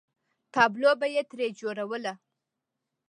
تابلو به یې ترې جوړوله.